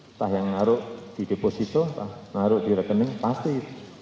entah yang ngaruh di deposito entah naruh di rekening pasti